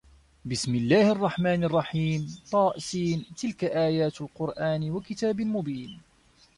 بِسمِ اللَّهِ الرَّحمنِ الرَّحيمِ طس تِلكَ آياتُ القُرآنِ وَكِتابٍ مُبينٍ